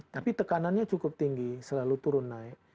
tapi tekanannya cukup tinggi selalu turun naik